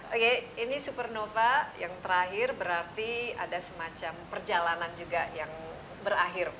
oke ini supernova yang terakhir berarti ada semacam perjalanan juga yang berakhir